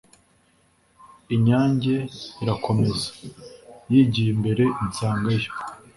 inyange irakomeza, yigiye imbere insangayo